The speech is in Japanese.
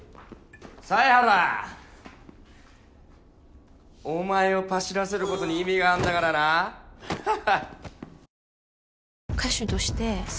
犀原お前をパシらせることに意味があんだからなははっ。